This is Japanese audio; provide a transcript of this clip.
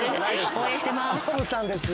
応援してます。